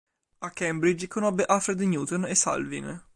A Cambridge conobbe Alfred Newton e Salvin.